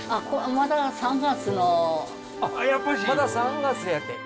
まだ３月やて。